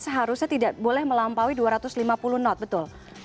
seharusnya tidak boleh melampaui dua ratus lima puluh knot betul